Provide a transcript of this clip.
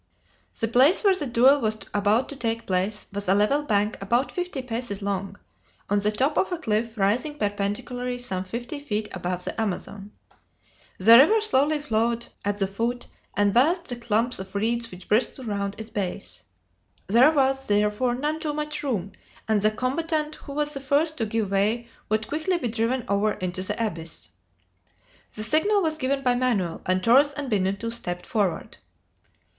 The place where the duel was about to take place was a level bank about fifty paces long, on the top of a cliff rising perpendicularly some fifty feet above the Amazon. The river slowly flowed at the foot, and bathed the clumps of reeds which bristled round its base. There was, therefore, none too much room, and the combatant who was the first to give way would quickly be driven over into the abyss. The signal was given by Manoel, and Torres and Benito stepped forward.